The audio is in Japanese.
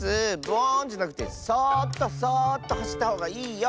ブオーンじゃなくてそっとそっとはしったほうがいいよ。